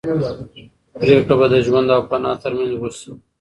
پرېکړه به د ژوند او فنا تر منځ وشي.